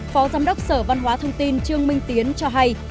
phó giám đốc sở văn hóa thông tin trương minh tiến cho hay